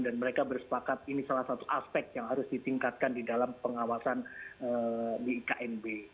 dan mereka bersepakat ini salah satu aspek yang harus ditingkatkan di dalam pengawasan di iknb